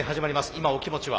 今お気持ちは？